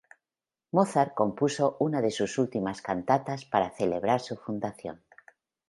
Mozart compuso una de sus últimas cantatas para celebrar su fundación.